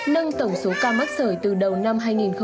nâng tổng số ca mắc sởi từ đầu năm hai nghìn một mươi chín